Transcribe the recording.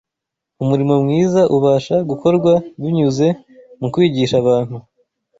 Umurimo mwiza ubasha gukorwa binyuze mu kwigisha abantu